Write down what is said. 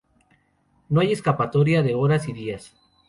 No hay escapatoria de horas y días.